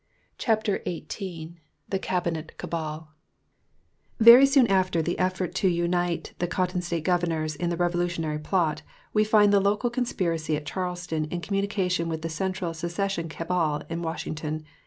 CHAPTER XVIII THE CABINET CABAL Very soon after the effort to unite the Cotton State governors in the revolutionary plot, we find the local conspiracy at Charleston in communication with the central secession cabal at Washington.